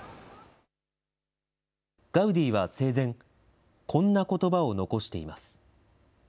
ガウディは生前、こんなことばを残しています。